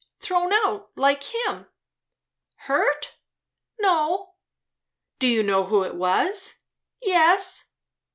"Thrown out, like him." "Hurt?" "No." "Do you know who it was?" "Yes."